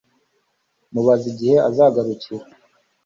Mubaze igihe azagarukira